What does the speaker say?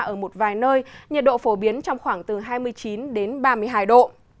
ở một vài nơi nhiệt độ phổ biến trong khoảng từ hai mươi chín đến ba mươi hai độ